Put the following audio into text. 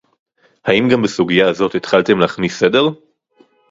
האם גם בסוגיה הזאת התחלתם להכניס סדר